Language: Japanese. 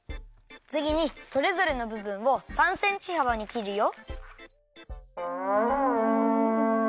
つぎにそれぞれのぶぶんを３センチはばにきるよ。